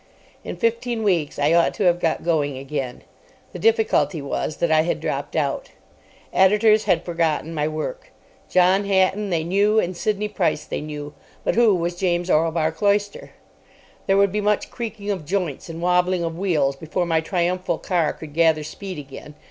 In fifteen weeks I ought to have got going again. The difficulty was that I had dropped out. Editors had forgotten my work. John Hatton they knew, and Sidney Price they knew; but who was James Orlebar Cloyster? There would be much creaking of joints and wobbling of wheels before my triumphal car could gather speed again.